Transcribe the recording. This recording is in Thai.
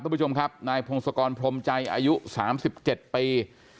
คุณผู้ชมครับนายพงศกรพรมใจอายุ๓๗ปี